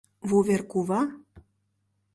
— Вуверкува...